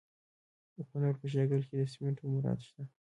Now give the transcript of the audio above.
د کونړ په شیګل کې د سمنټو مواد شته.